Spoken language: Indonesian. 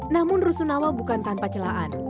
namun rusunawa bukan tanpa celaan